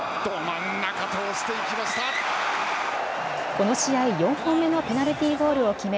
この試合、４本目のペナルティーゴールを決め